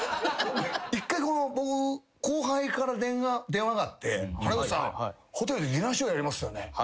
１回後輩から電話があって原口さんホテルでディナーショーやりますよね？